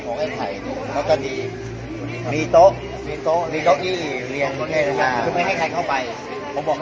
สวัสดีครับพี่เบนสวัสดีครับ